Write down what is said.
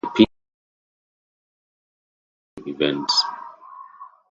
The pit is also used for off-road driving events.